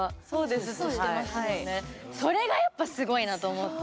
それがやっぱすごいなと思って。